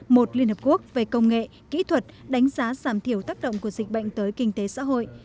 một liên hợp quốc về công nghệ kỹ thuật đánh giá giảm thiểu tác động của dịch bệnh tới kinh tế xã hội